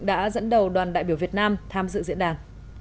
đã dẫn đầu đoàn đại biểu việt nam tham dự diễn đàn